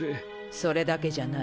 それだけじゃない。